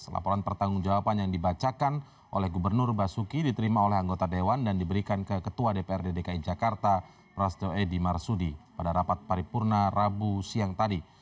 laporan pertanggung jawaban yang dibacakan oleh gubernur basuki diterima oleh anggota dewan dan diberikan ke ketua dprd dki jakarta prasdo edi marsudi pada rapat paripurna rabu siang tadi